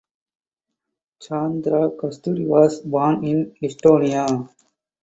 Sandra Kasturi was born in Estonia.